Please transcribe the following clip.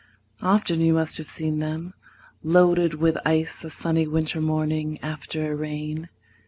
Often you must have seen them Loaded with ice a sunny winter morning After a rain.